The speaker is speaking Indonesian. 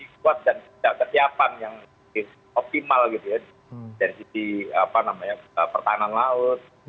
kuat dan ketiapan yang optimal gitu ya dari sisi apa namanya pertahanan laut